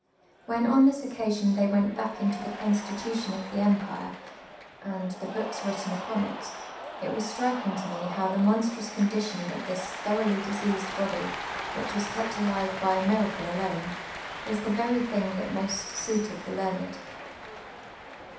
When on this occa sion they went back into the constit\ition of the empire and :lie books written uj)on it, it was strikinj:^ to mc how the mon strous condition of this thorouy hlv diseased body, which was <('pt alive by a miracle alone, was the very thing that most >uit(d the learned.